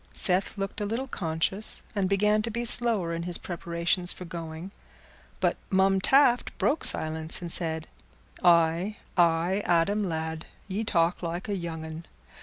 Seth looked a little conscious, and began to be slower in his preparations for going, but Mum Taft broke silence, and said, "Aye, aye, Adam lad, ye talk like a young un.